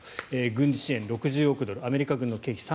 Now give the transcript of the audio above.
軍事支援、６０億ドルアメリカ軍の経費